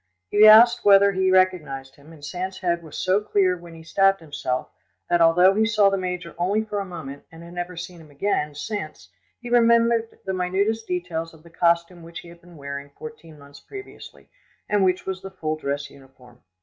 He asked him whether he recognised him, and Sand's head was so clear when he stabbed himself, that although he saw the major only for a moment and had never seen him again since, he remembered the minutest details of the costume which he had been wearing fourteen months previously, and which was the full dress uniform.